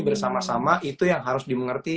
bersama sama itu yang harus dimengerti